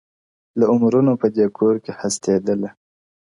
• له عمرونو په دې کور کي هستېدله -